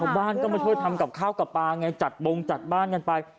บ้านก็มาช่วยทำกับข้าวกับปลาไงจัดบงจัดบ้านกันไป